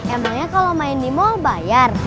emangnya kalau main di mall bayar